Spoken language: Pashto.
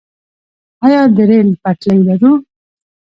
آیا د ریل پټلۍ لرو؟